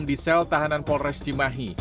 di sel tahanan polres cimahi